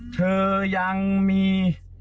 เธอยังมี